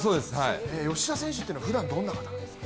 吉田選手というのはふだんどんな方なんですか？